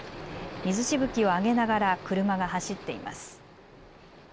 水しぶきを上げながら車が走っています。